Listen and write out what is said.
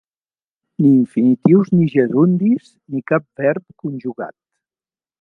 Ni infinitius ni gerundis ni cap verb conjugat.